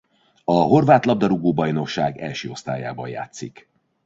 A horvát labdarúgó-bajnokság első osztályában játszik.